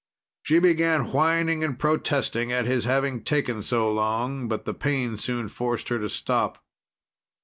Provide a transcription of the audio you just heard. She began whining and protesting at his having taken so long, but the pain soon forced her to stop.